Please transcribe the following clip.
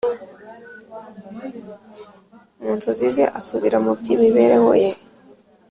mu nzozi ze, asubira mu by'imibereho ye